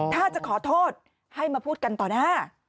ถ้าจะขอโทษให้มาพูดกันต่อหน้า